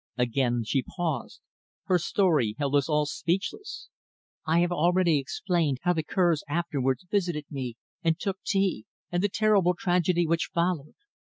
Again she paused. Her story held us all speechless. "I have already explained how the Kerrs afterwards visited me and took tea, and the terrible tragedy which followed.